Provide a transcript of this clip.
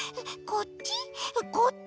こっち？